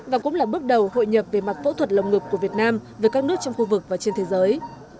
và cũng là bước đầu hội nhập về mặt phẫu thuật lồng ngực của việt nam với các nước trong khu vực và trên thế giới